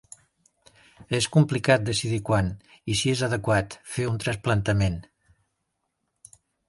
És complicat decidir quan, i si és adequat, fer un trasplantament.